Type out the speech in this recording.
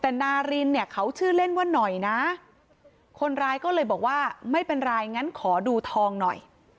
แต่นารินเนี่ยเขาชื่อเล่นว่าหน่อยนะคนร้ายก็เลยบอกว่าไม่เป็นไรงั้นขอดูทองหน่อย